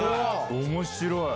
面白い！